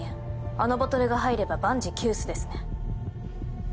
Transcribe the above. あのボトルが入れば万事休すですね